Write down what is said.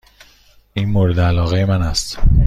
این مورد علاقه من است.